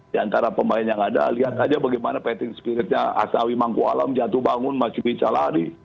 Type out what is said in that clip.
di antara pemain yang ada lihat aja bagaimana petting spiritnya asawi mangku alam jatuh bangun masih bisa lari